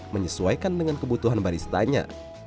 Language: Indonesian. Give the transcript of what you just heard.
menyesuaikan dengan kebutuhan baristanya